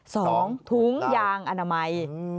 ถุงยางอนามัย